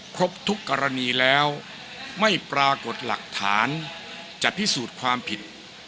ครบทุกกรณีแล้วไม่ปรากฏหลักฐานจะพิสูจน์ความผิด